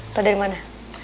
tau dari mana